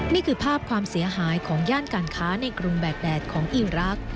นี่คือภาพความเสียหายของย่านการค้าในกรุงแบกแดดของอีรักษ์